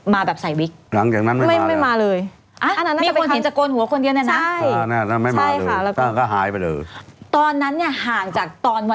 แล้วหลังจากนั้นนะคะ